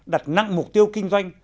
đặt nặng mục tiêu kinh doanh